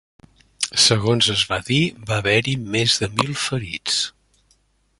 Segons es va dir, va haver-hi més de mil ferits.